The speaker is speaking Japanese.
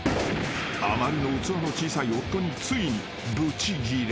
［あまりの器の小さい夫についにぶちギレ］